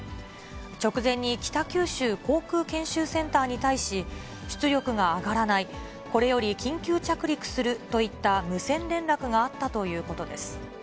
直前に北九州航空研修センターに対し、出力が上がらない、これより緊急着陸するといった無線連絡があったということです。